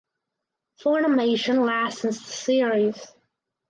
Funimation licensed the series.